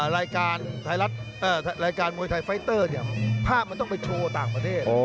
รายการไทยรัฐรายการมวยไทยไฟเตอร์เนี่ยภาพมันต้องไปโชว์ต่างประเทศ